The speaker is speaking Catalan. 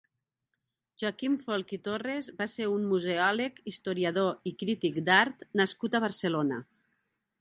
Joaquim Folch i Torres va ser un museòleg, historiador i crític d'art nascut a Barcelona.